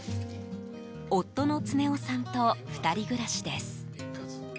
夫の恒夫さんと２人暮らしです。